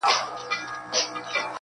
ستا ټولي كيسې لوستې.